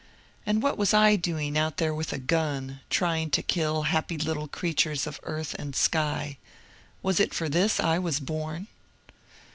And what was I doing out there with a gun trying to kill happy little creatures of earth and sky ? Was it for this I was born